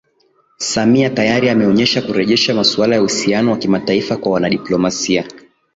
Samia tayari ameonesha kurejesha masuala ya uhusiano wa kimataifa kwa wanadiplomasia